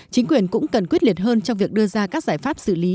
chính quyền cũng cần quyết liệt hơn trong việc đưa ra các giải pháp xử lý